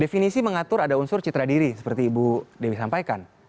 definisi mengatur ada unsur citra diri seperti ibu dewi sampaikan